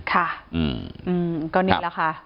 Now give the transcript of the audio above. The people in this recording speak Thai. ครับก็นี้แล้วค่ะ